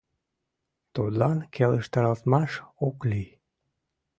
Тудлан келыштаралтмаш ок лий.